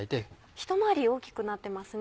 ひと回り大きくなってますね。